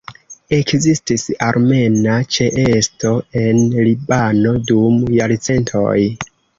Ekzistis armena ĉeesto en Libano dum jarcentoj.